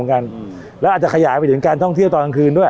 แล้วอาจจะขยายไปถึงการท่องเที่ยวตอนกลางคืนด้วย